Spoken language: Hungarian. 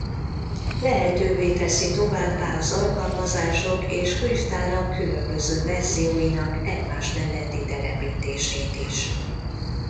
Lehetővé teszi továbbá az alkalmazások és könyvtárak különböző verzióinak egymás melletti telepítését is.